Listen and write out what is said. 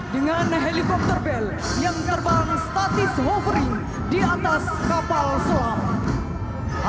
dengan helikopter bel yang terbang statis hovering di atas kapal selam